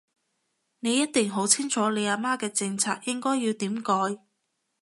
你一定好清楚你阿媽嘅政策應該要點改